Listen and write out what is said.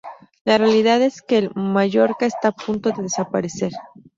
La realidad es que el Mallorca está a punto de desaparecer.